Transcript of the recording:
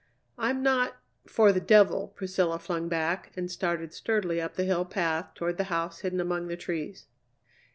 "I'm not for the devil!" Priscilla flung back, and started sturdily up the hill path toward the house hidden among the trees.